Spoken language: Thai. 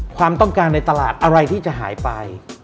ความต้องการในตลาดอะไรที่จะหายไป